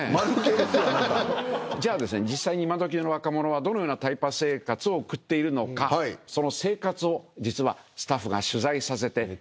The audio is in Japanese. じゃあ実際に今どきの若者はどのようなタイパ生活を送っているのかその生活を実はスタッフが取材させていただきました。